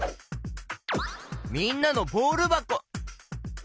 みんなのボールばこ。